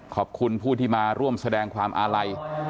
ขอบคุณผู้ที่มาร่วมแสดงความอาลัย